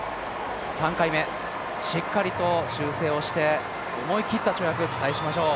３回目、しっかりと修正をして思い切った跳躍を期待しましょう。